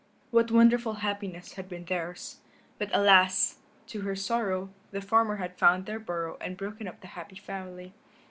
What wonderful happiness had been theirs. But alas! to her sorrow, the farmer had found their burrow and broken up the happy family.